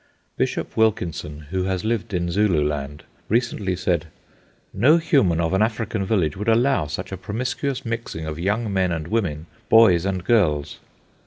Bishop Wilkinson, who has lived in Zululand, recently said, "No human of an African village would allow such a promiscuous mixing of young men and women, boys and girls."